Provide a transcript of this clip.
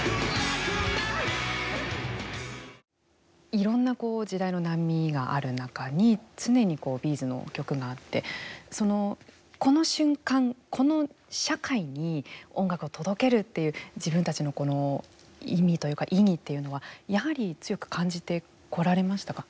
いろんな時代の波がある中に常にＢ’ｚの曲があってこの瞬間、この社会に音楽を届けるっていう自分たちの意味というか意義っていうのはやはり強く感じてこられましたか。